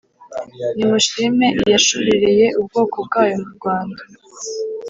Nimushime iyashorereye ubwoko bwayo murwanda